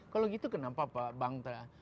kalau gitu kenapa pak bank terasa